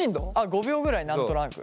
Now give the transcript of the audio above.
５秒ぐらい何となく。